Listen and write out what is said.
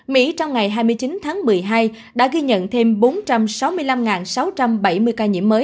mỹ trong ngày hai mươi chín tháng một mươi hai đã ghi nhận thêm bốn trăm sáu mươi năm sáu trăm bảy mươi ca nhiễm mới